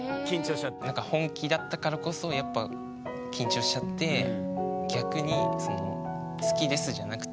本気だったからこそやっぱ緊張しちゃって逆にって。